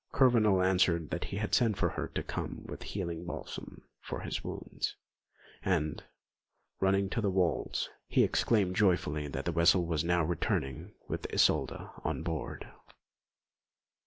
Kurvenal answered that he had sent for her to come with healing balsams for his wounds; and, running to the walls, he exclaimed joyfully that the vessel was even now returning with Isolda on board.